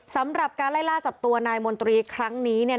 สำหรับการไล่ล่าจับตัวนายมนตรีครั้งนี้เนี่ย